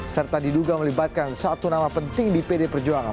serta diduga melibatkan satu nama penting di pd perjuangan